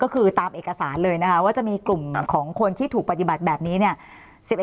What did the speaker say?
ก็คือตามเอกสารเลยนะคะว่าจะมีกลุ่มของคนที่ถูกปฏิบัติแบบนี้เนี่ย